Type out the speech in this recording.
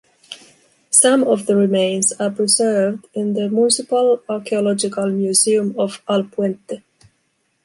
Some of the remains are preserved in the Municipal Archaeological Museum of Alpuente.